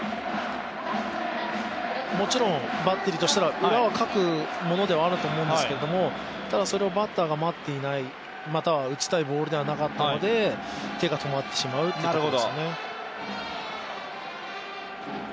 もちろん、バッテリーとしては裏はかくものであると思うんですけど、それをバッターが待っていない、打ちたいボールではなかったので、手が止まってしまったのかなと。